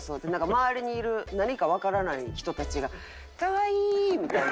周りにいる何かわからない人たちが「可愛いー！」みたいな。